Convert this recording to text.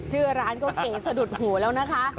ชื่อร้านก็เก๋สะดุดหูแล้วนะคะ